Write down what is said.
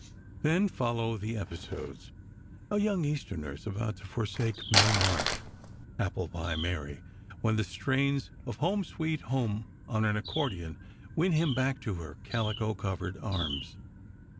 Then follow the "episodes": A young Easterner is about to forsake Mae Marsh ("Apple pie Mary"), when the strains of "Home, Sweet Home" on an accordion, win him back to her "calico covered arms."